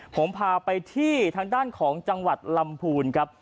ผมพาไปที่ทางด้านของจังหวัดลำพูนครับ